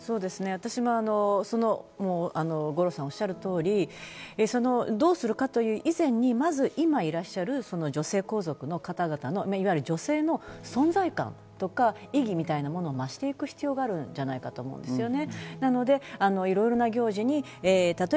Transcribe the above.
私も五郎さんがおっしゃる通り、どうするかという以前にまず今いらっしゃる女性皇族の方々のいわゆる女性の存在感とか意義みたなものを増していく必要があるんじゃないかと思うんですよね。